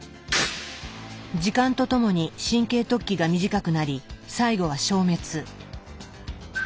時間とともに神経突起が短くなり最後は消滅。